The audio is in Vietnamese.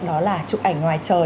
đó là chụp ảnh ngoài trời